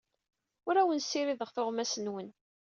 Ur awen-ssirideɣ tuɣmas-nwen.